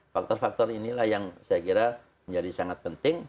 faktor faktor inilah yang saya kira menjadi sangat penting